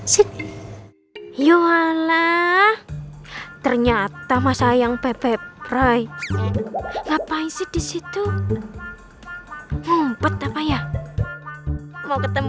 sit yu allah ternyata masa yang pepe pray ngapain sih disitu mumpet apa ya mau ketemu